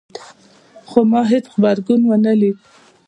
خو ما هیڅ غبرګون ونه لید